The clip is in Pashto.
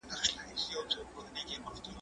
زه اوږده وخت سبزیجات تياروم وم!.